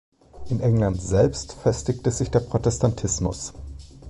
In England selbst festigte sich der Protestantismus.